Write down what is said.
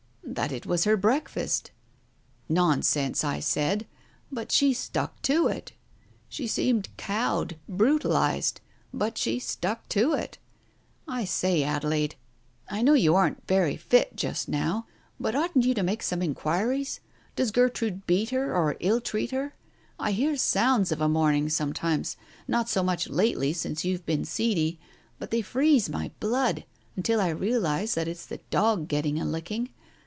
"That it was her breakfast. Nonsense, I said. But she stuck to it. She seemed cowed, brutalized, but she stuck to it. I say, Adelaide — I know you aren't very fit jtfst now, but oughtn't you to make some inquiries? Does Gertrude beat her or ill treat her ? I hear sounds, of a morning sometimes — not so much lately since you've been seedy — but they freeze my blood, until I realize that it's the dog getting a licking.